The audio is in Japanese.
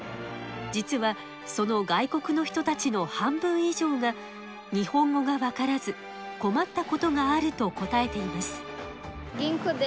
じつはその外国の人たちの半分いじょうが日本語がわからず困ったことがあると答えています